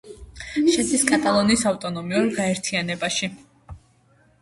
შედის კატალონიის ავტონომიურ გაერთიანებაში.